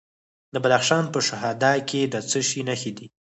د بدخشان په شهدا کې د څه شي نښې دي؟